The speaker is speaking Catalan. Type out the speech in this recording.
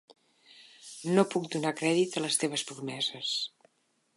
No puc donar crèdit a les teves promeses.